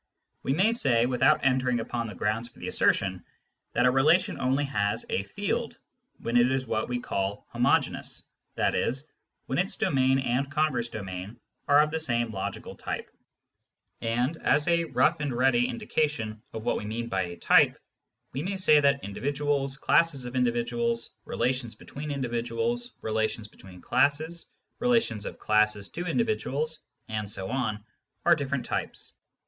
We may say, without entering upon the grounds for the assertion, that a relation only has a " field " when it is what we call " homogeneous," i.e. when its domain and converse domain are of the same logical type ; and as a rough and ready indication of what we mean by a " type," we may say that individuals, classes of individuals, relations between individuals, relations between classes, relations of classes to individuals, and so on, are different types.